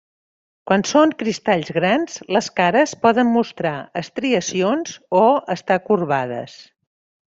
Quan són cristalls grans les cares poden mostrar estriacions, o estar corbades.